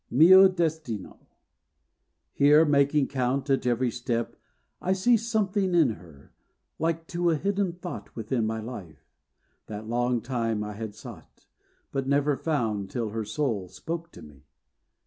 MIO DESTINO Here, making count, at every step I see Something in her, like to a hidden thought Within my life, that long time I had sought, But never found till her soul spoke to me.